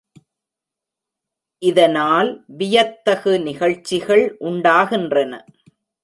இதனால் வியத்தகு நிகழ்ச்சிகள் உண்டாகின்றன.